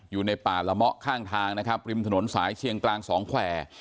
อยู่ในป่าละเมาะข้างทางนะครับริมถนนสายเชียงกลางสองแควร์